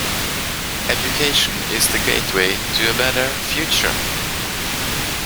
Education is the gateway to a better future.